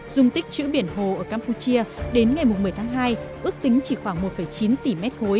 dùng tích chữ biển hồ ở campuchia đến ngày một mươi tháng hai ước tính chỉ khoảng một chín tỷ m ba